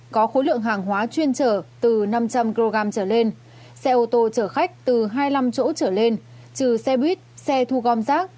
có khối lượng hàng hóa chuyên trở từ năm trăm linh kg trở lên xe ô tô chở khách từ hai mươi năm chỗ trở lên trừ xe buýt xe thu gom rác